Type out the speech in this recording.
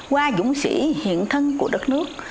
hoa dũng sĩ hiện thân của đất nước